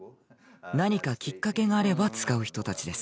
何かきっかけがあれば使う人たちです。